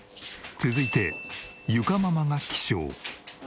続いて裕佳ママが起床。